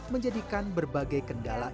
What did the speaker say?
menjadikan berbagai kendala